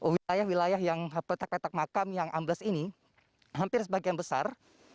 wilayah wilayah yang petak petak makam yang ambles ini hampir sebagian besar